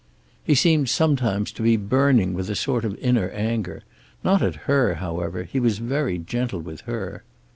He seemed, sometimes, to be burning with a sort of inner anger. Not at her, however. He was very gentle with her.